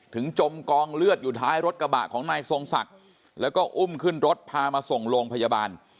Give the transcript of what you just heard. จมกองเลือดอยู่ท้ายรถกระบะของนายทรงศักดิ์แล้วก็อุ้มขึ้นรถพามาส่งโรงพยาบาล